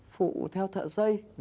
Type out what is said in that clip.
phụ theo thợ xây